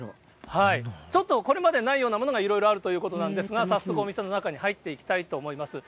ちょっとこれまでにないようなものがいろいろあるということなんですが、早速お店の中に入っていきたいと思います。